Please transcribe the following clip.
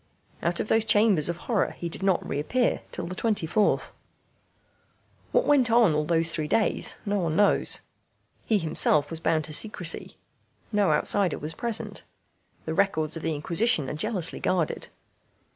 Out of those chambers of horror he did not reappear till the 24th. What went on all those three days no one knows. He himself was bound to secrecy. No outsider was present. The records of the Inquisition are jealously guarded.